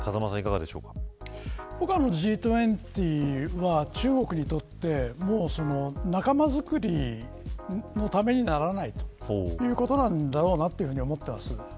僕はＧ２０は中国にとって仲間づくりのためにならないということなんだろうなというふうに思っています。